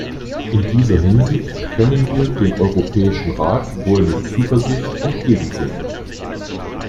In dieser Hinsicht können wir dem Europäischen Rat wohl mit Zuversicht entgegensehen.